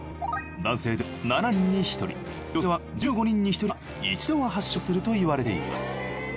男性では７人に１人女性では１５人に１人が一度は発症するといわれています。